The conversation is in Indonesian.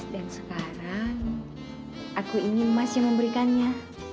dan sekarang aku ingin mas yang memberikannya